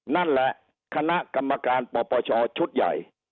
นั่นแหละคณะกรรมการปปชชุดใหญ่